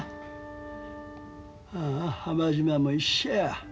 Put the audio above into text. はあ浜島も一緒や。